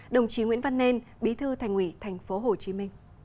đồng chí nguyễn văn nên bí thư thành ủy tp hcm